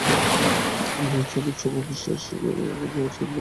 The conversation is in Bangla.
জলছবির চৌবাচ্চাশেখ জায়েদ মসজিদের প্রায় চারদিক ঘিরে রেখেছে স্বচ্ছ টলটলে জলের চৌবাচ্চা।